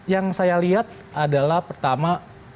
yang saya lihat adalah pertama